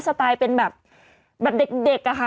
สไตล์เป็นแบบเด็ก